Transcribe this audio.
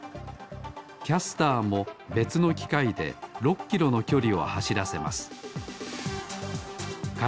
キャスターもべつのきかいで６キロのきょりをはしらせます。か